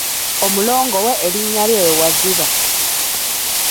Omulongo we erinnya lye ye Waziba.